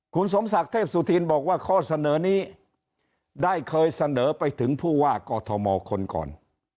คุณสมศักดิ์เทพสุธินบอกว่าข้อเสนอนี้ได้เคยเสนอไปถึงผู้ว่ากอทมคนก่อน